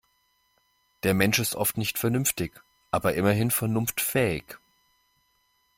Der Mensch ist oft nicht vernünftig, aber immerhin vernunftfähig.